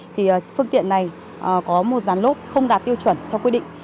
thì phương tiện này có một giàn lốp không đạt tiêu chuẩn theo quy định